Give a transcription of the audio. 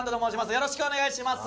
よろしくお願いします